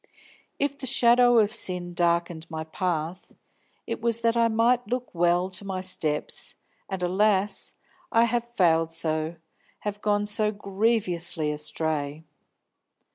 If the shadow of sin darkened my path, it was that I might look well to my steps, and, alas, I have failed so, have gone so grievously astray!